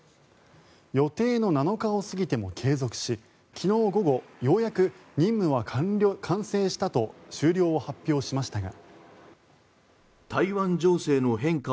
予定の７日を過ぎても継続し昨日午後ようやく、任務は完成したと終了を発表しましたが。